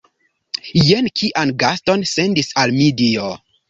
Jen kian gaston sendis al mi Dio!